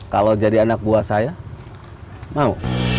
kalau jadi anak buah saya mau